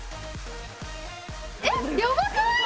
えっやばくない？